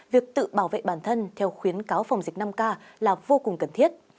việc tự bảo vệ bản thân theo khuyến cáo phòng dịch năm k là vô cùng cần thiết